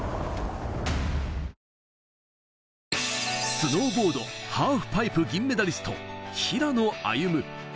スノーボード・ハーフパイプ銀メダリスト、平野歩夢。